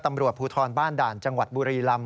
ตำรวจภูทรบ้านด่านจังหวัดบุรีลำ